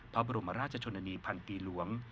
พระอุโมราชชนนีร์พันธ์ตีหลวง